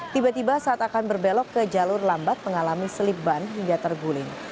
tiba tiba saat akan berbelok ke jalur lambat mengalami selip ban hingga terguling